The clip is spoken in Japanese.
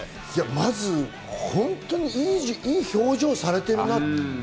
まず本当にいい表情をされているなって。